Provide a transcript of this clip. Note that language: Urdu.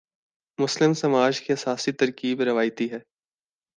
مسلم سماج کی اساسی ترکیب روایتی ہے۔